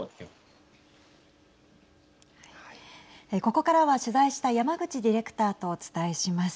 ここからは、取材した山口ディレクターとお伝えします。